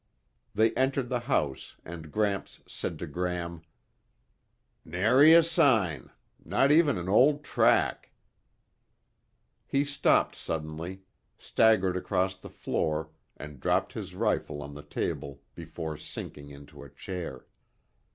They entered the house and Gramps said to Gram, "Nary a sign, not even an old track ..." He stopped suddenly, staggered across the floor and dropped his rifle on the table before sinking into a chair.